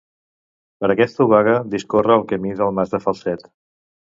Per aquesta obaga discorre el Camí del Mas de Falset.